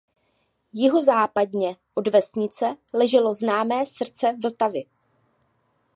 Jihozápadně od vesnice leželo známé Srdce Vltavy.